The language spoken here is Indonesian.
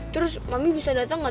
terus mami bisa dateng gak